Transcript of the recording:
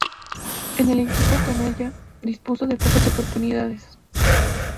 En el equipo canalla dispuso de pocas oportunidades.